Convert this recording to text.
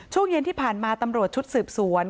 ช่วงเย็นที่ผ่านมาตำรวจชุดสืบสวน